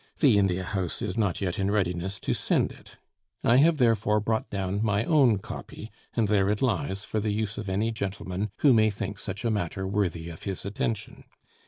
The India House is not yet in readiness to send it; I have therefore brought down my own copy, and there it lies for the use of any gentleman who may think such a matter worthy of his attention.